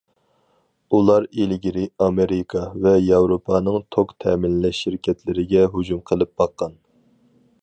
ئۇلار ئىلگىرى ئامېرىكا ۋە ياۋروپانىڭ توك تەمىنلەش شىركەتلىرىگە ھۇجۇم قىلىپ باققان.